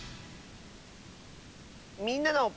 「みんなの」。